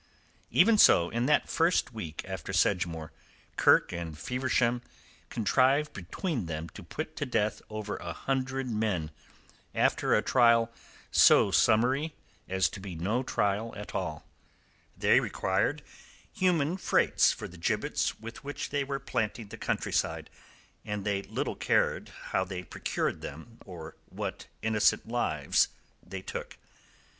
Even so, in that first week after Sedgemoor, Kirke and Feversham contrived between them to put to death over a hundred men after a trial so summary as to be no trial at all. They required human freights for the gibbets with which they were planting the countryside, and they little cared how they procured them or what innocent lives they took.